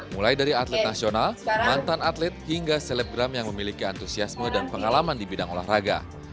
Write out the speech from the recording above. mulai dari atlet nasional mantan atlet hingga selebgram yang memiliki antusiasme dan pengalaman di bidang olahraga